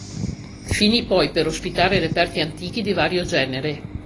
Finì poi per ospitare reperti antichi di vario genere.